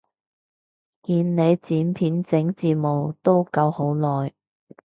見你剪片整字幕都搞好耐